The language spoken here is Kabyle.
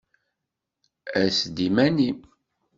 Ass-d iman-im!